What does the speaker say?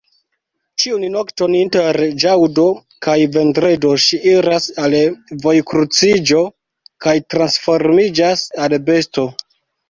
Ĉiun nokton inter ĵaŭdo kaj vendredo, ŝi iras al vojkruciĝo kaj transformiĝas al besto.